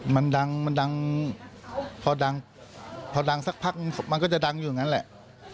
มันดังพอดังสักพักมันก็จะดังอยู่อย่างนั้นแหละ